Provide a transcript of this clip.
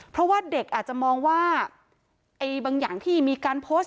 เพราะว่าเด็กอาจจะมองว่าบางอย่างที่มีการโพสต์